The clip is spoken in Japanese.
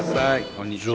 こんにちは。